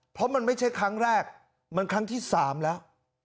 เพราะมันไม่ใช่ครั้งแรกมันครั้งที่๓แล้ว